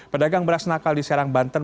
pedagang beras nakal di serang banten